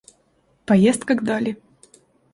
Поездка к Долли.